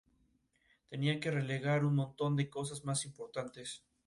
Tenía que relegar un montón de cosas más importantes.